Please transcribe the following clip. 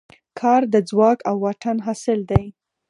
کار د ځواک او واټن حاصل دی.